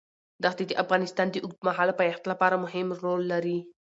دښتې د افغانستان د اوږدمهاله پایښت لپاره مهم رول لري.